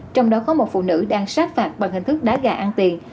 trong đó có một phụ nữ đang sát phạt bằng hình thức đá gà ăn tiền